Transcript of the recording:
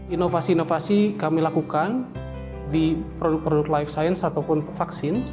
inovasi inovasi kami lakukan di produk produk life science ataupun vaksin